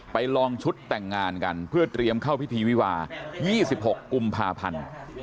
ลองชุดแต่งงานกันเพื่อเตรียมเข้าพิธีวิวา๒๖กุมภาพันธ์